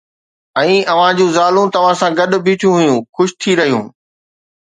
۽ اوھان جون زالون توسان گڏ بيٺيون ھيون، خوش ٿي رھيون